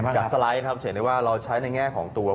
จากสไลด์เฉียนได้ว่าเราใช้ในแง่ของตัว